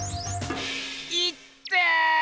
いってぇ！